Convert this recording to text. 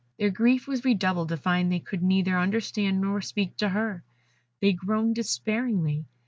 Their grief was redoubled to find they could neither understand nor speak to her. They groaned despairingly.